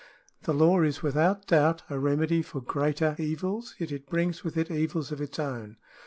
The law is without doubt a remedy for greater evils, yet it brings with it evils of its own.